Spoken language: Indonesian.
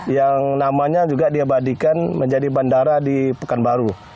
yang namanya juga diabadikan menjadi bandara di pekanbaru